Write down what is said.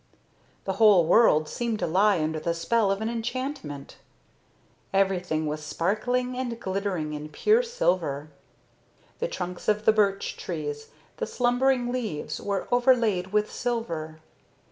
The whole world seemed to lie under the spell of an enchantment. Everything was sparkling and glittering in pure silver. The trunks of the birch trees, the slumbering leaves were overlaid with silver.